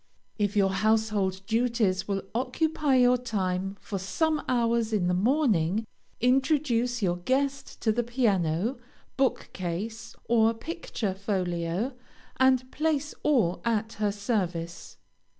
If your household duties will occupy your time for some hours in the morning, introduce your guest to the piano, book case, or picture folio, and place all at her service.